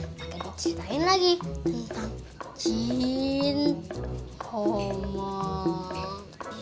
maka diceritain lagi tentang jin homo jin